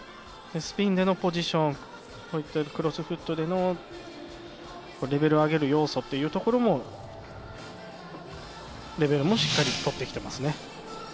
スピンでのポジション、クロスフットでのレベルを上げる要素というところもレベルもしっかり取ってきていますね。